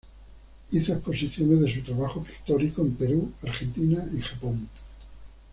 Hizo exposiciones de su trabajo pictórico en Perú, Argentina y Japón.